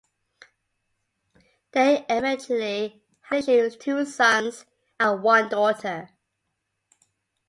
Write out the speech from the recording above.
They eventually had issue two sons and one daughter.